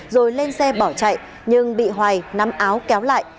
rồi lên xe bỏ chạy nhưng bị hoài nắm áo kéo lại